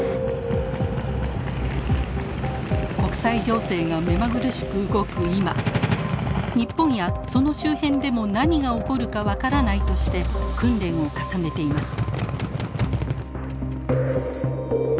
国際情勢が目まぐるしく動く今日本やその周辺でも何が起こるか分からないとして訓練を重ねています。